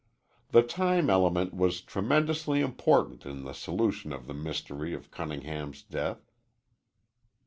The time element was tremendously important in the solution of the mystery of Cunningham's death.